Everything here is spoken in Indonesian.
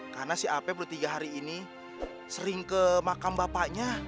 karena si apep udah tiga hari ini sering ke makam bapaknya